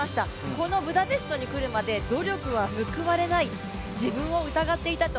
このブダペストに来るまで努力は報われない、自分を疑っていたと。